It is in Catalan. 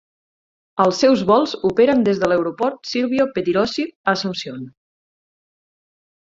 Els seus vols operen des de l'aeroport Silvio Pettirossi a Asunción.